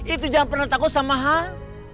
itu jangan pernah takut sama hal